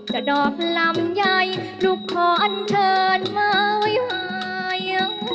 จะดอกลำใยลูกขออันเชิญมาไว้ไหว